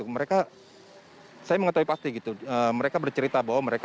mereka saya mengetahui pasti gitu mereka bercerita bahwa mereka